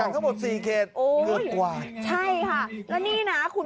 กรี๊ดกรี๊ดกรี๊ด